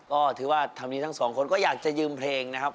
ก็ถือว่าทำดีทั้งสองคนก็อยากจะยืมเพลงนะครับ